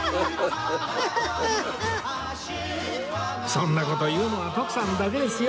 そんな事言うのは徳さんだけですよ